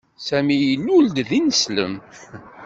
Sami ilul-d d ineslem.